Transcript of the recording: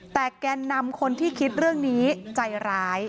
แต่แกนนำคนที่คิดเรื่องนี้ใจร้าย